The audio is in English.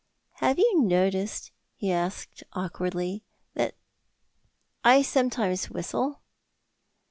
"Have you noticed," he asked awkwardly, "that I sometimes whistle?"